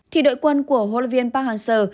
thì đội quân của huấn luyện viên park hansel